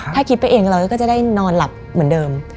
ถ้าคิดไปเองเราก็จะได้นอนหลับเหมือนเดิม